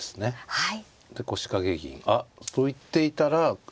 はい。